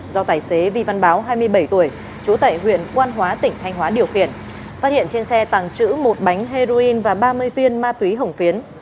do tài xế vi văn báo hai mươi bảy tuổi trú tại huyện quan hóa tỉnh thanh hóa điều khiển phát hiện trên xe tàng trữ một bánh heroin và ba mươi viên ma túy hồng phiến